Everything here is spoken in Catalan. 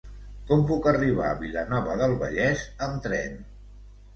Com puc arribar a Vilanova del Vallès amb tren?